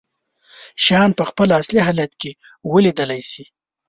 شيان په خپل اصلي حالت کې ولیدلی شي.